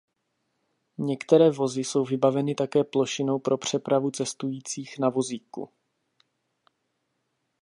Některé vozy jsou vybaveny také plošinou pro přepravu cestujících na vozíku.